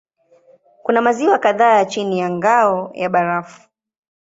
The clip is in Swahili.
Kuna maziwa kadhaa chini ya ngao ya barafu.